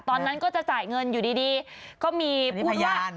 ตอนนั้นก็จะจ่ายเงินอยู่ดีก็มีพูดว่า